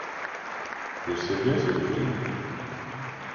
Je sais bien ce que je dis.